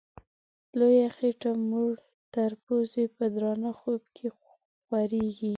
لویه خېټه موړ تر پزي په درانه خوب کي خوریږي